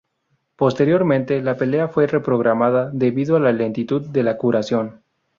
Posteriormente, la pelea fue reprogramada debido a la lentitud de la curación.